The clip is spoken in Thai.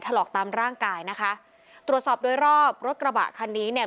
ถลอกตามร่างกายนะคะตรวจสอบโดยรอบรถกระบะคันนี้เนี่ย